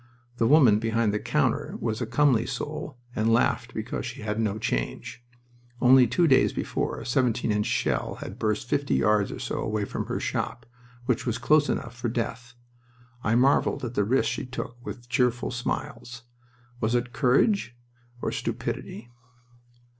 The woman behind the counter was a comely soul, and laughed because she had no change. Only two days before a seventeen inch shell had burst fifty yards or so away from her shop, which was close enough for death. I marveled at the risk she took with cheerful smiles. Was it courage or stupidity?